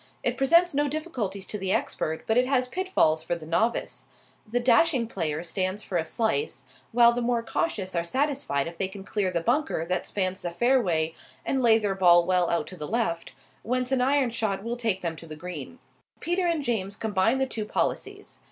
It presents no difficulties to the expert, but it has pitfalls for the novice. The dashing player stands for a slice, while the more cautious are satisfied if they can clear the bunker that spans the fairway and lay their ball well out to the left, whence an iron shot will take them to the green. Peter and James combined the two policies.